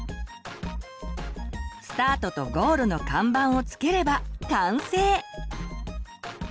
スタートとゴールの看板を付ければ完成！